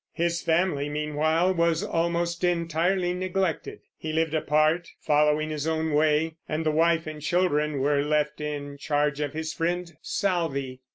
His family, meanwhile, was almost entirely neglected; he lived apart, following his own way, and the wife and children were left in charge of his friend Southey.